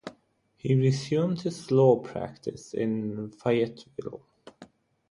He resumed his law practice in Fayetteville.